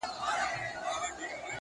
• ننګول مي زیارتونه هغه نه یم ,